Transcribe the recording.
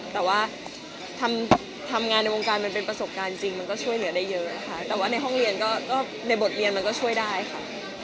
แต่ว่าทำงานในวงการมันเป็นประสบการณ์จริงมันก็ช่วยเหลือได้เยอะค่ะแต่ว่าในห้องเรียนก็ในบทเรียนมันก็ช่วยได้ค่ะ